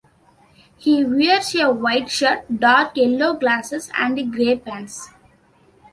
He wears a white shirt, dark-yellow glasses and grey pants.